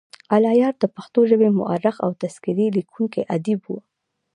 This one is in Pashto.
الله یار دپښتو ژبې مؤرخ او تذکرې لیکونی ادیب وو.